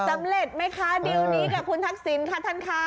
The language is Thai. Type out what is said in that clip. สำเร็จไหมคะดิวนี้กับคุณทักษิณค่ะท่านค่ะ